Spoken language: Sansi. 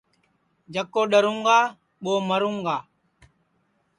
جکو ڈؔرُوں گا ٻو مرُوں گا